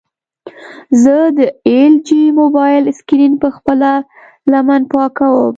زه د ایل جي موبایل سکرین په خپله لمن پاکوم.